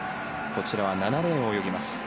こちらは７レーンを泳ぎます